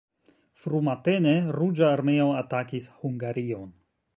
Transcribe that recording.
Frumatene Ruĝa Armeo atakis Hungarion.